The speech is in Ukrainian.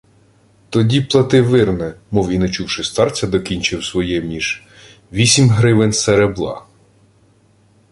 —...тоді плати вирне, — мов і не чувши старця, докінчив своє між. — Вісім гривен серебла.